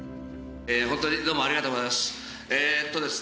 本当にどうもありがとうございます。